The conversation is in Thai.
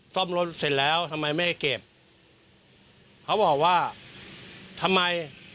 ซ่อมรถเสร็จแล้วทำไมไม่ให้เก็บเขาบอกว่าทำไม